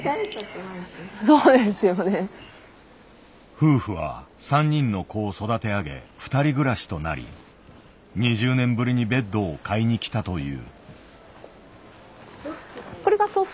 夫婦は３人の子を育て上げ２人暮らしとなり２０年ぶりにベッドを買いに来たという。